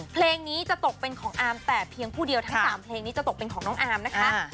เพลงนี้จะตกเป็นของอามแต่เพียงผู้เดียวทั้ง๓เพลงนี้จะตกเป็นของน้องอามนะคะ